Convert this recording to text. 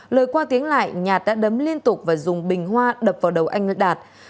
lời qua tiếng lại nhạt đã đấm liên tục và dùng bình hoa đập vào đầu anh đạt